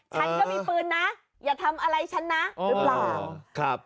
ฉันก็มีปืนนะอย่าทำอะไรฉันนะหรือเปล่าครับ